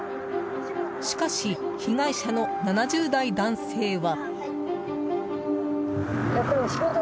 しかし、被害者の７０代男性は。